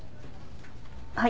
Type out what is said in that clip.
はい。